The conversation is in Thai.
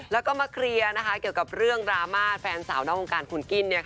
แล้วก็มาเคลียร์เกี่ยวกับเรื่องดราม่าแฟนสาวนอกวงการคุณกิ้น